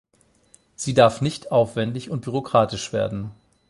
Sie darf nicht aufwendig und bürokratisch werden.